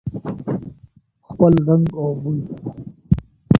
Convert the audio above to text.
په خپل رنګ او بوی سره.